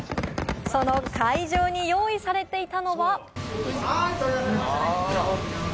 その会場に用意されていたのは。